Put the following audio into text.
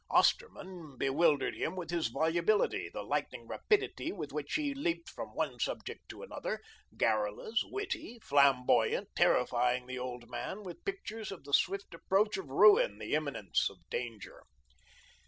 Osterman bewildered him with his volubility, the lightning rapidity with which he leaped from one subject to another, garrulous, witty, flamboyant, terrifying the old man with pictures of the swift approach of ruin, the imminence of danger.